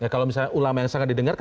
kalau ulama yang sangat di denger